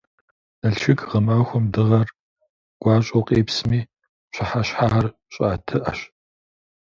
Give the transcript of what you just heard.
Налшык гъэмахуэм дыгъэр гуащӏэу къепсми, пщыхьэщхьэхэр щӏыӏэтыӏэщ.